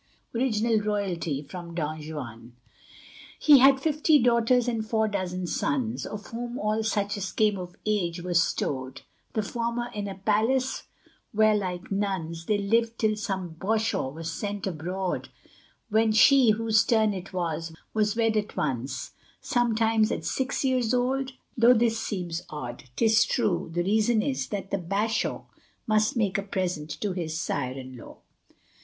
ORIENTAL ROYALTY From 'Don Juan' He had fifty daughters and four dozen sons, Of whom all such as came of age were stowed The former in a palace, where like nuns They lived till some Bashaw was sent abroad, When she whose turn it was, was wed at once, Sometimes at six years old though this seems odd, 'Tis true: the reason is, that the Bashaw Must make a present to his sire in law.